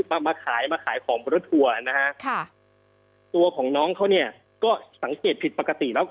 มามาขายมาขายของบนรถทัวร์นะฮะค่ะตัวของน้องเขาเนี่ยก็สังเกตผิดปกติแล้ว